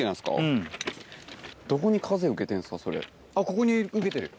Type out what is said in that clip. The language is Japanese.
ここに受けてる。